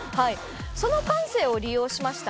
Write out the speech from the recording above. その慣性を利用しました